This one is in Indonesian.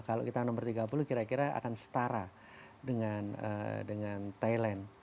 kalau kita nomor tiga puluh kira kira akan setara dengan thailand